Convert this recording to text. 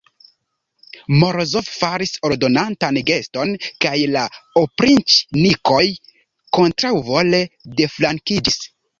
Morozov faris ordonantan geston, kaj la opriĉnikoj kontraŭvole deflankiĝis.